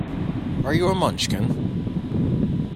Are you a Munchkin?